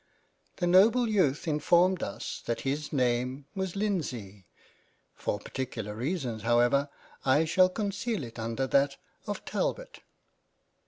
" The noble Youth informed us that his name was Lindsay — for particular reasons, how ever, I shall conceal it under that of Talbot."